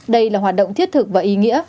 đây là hoạt động thiết thực và ý nghĩa